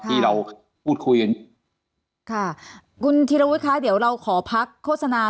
ที่เราพูดคุยกัน